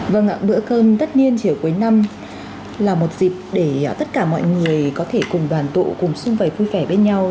vâng ạ bữa cơm tất nhiên chiều cuối năm là một dịp để tất cả mọi người có thể cùng đoàn tộ cùng xung vầy vui vẻ với nhau